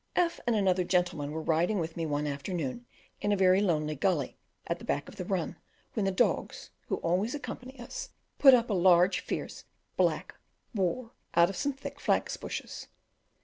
F and another gentleman were riding with me one afternoon in a very lonely gully at the back of the run, when the dogs (who always accompany us) put up a large, fierce, black, boar out of some thick flax bushes.